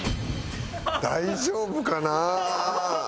大丈夫かな？